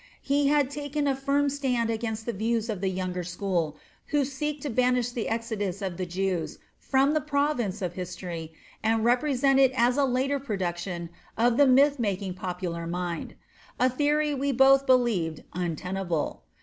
He had taken a firm stand against the views of the younger school, who seek to banish the Exodus of the Jews from the province of history and represent it as a later production of the myth making popular mind; a theory we both believed untenable.